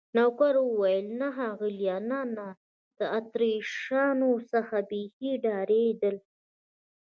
نوکر وویل: نه ښاغلي، نه، نه، له اتریشیانو څخه بیخي ډارېدلی و.